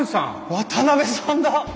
渡さんだ！